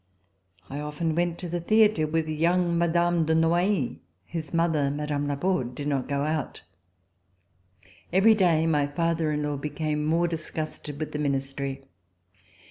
I often went to the theatre with young Mme. de Noailles, whose mother, Mme. Laborde, did not go out. Every day my father in law became more disgusted with the Ministry.